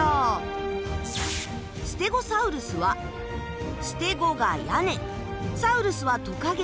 ステゴサウルスはステゴが屋根サウルスはトカゲ。